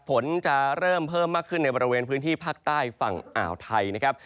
ฝนจะเริ่มเพิ่มมากขึ้นในบริเวณพื้นที่ภาคใต้ฝั่งอ่าวไทยนะครับ